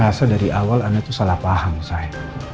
saya merasa dari awal anda itu salah paham say